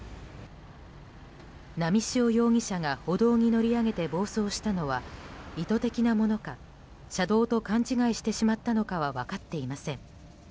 波汐容疑者が歩道に乗り上げて暴走したのは意図的なものか車道と勘違いしてしまったのかは分かっていません。